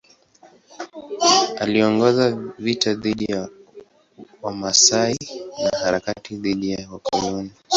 Aliongoza vita dhidi ya Wamasai na harakati dhidi ya wakoloni.